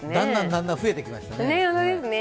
だんだん増えてきましたね。